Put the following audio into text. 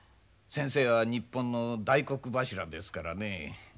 先生は日本の大黒柱ですからね。